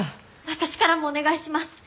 私からもお願いします。